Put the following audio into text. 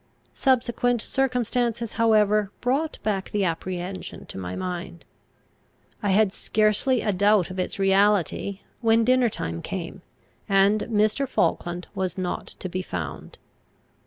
Subsequent circumstances however brought back the apprehension to my mind. I had scarcely a doubt of its reality, when dinner time came, and Mr. Falkland was not to be found.